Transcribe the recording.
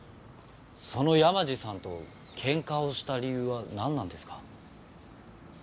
その山路さんとけんかをした理由はなんなんですか？